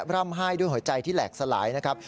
ร่ำไห้ด้วยหัวใจที่แหลกสลายนะครับ